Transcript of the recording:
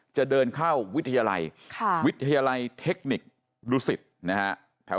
จะเดินเข้าวิทยาลัยวิทยาลัยเทคนิคดูสิตนะฮะ